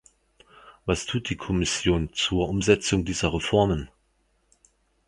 Was tut die Kommission zur Umsetzung dieser Reformen?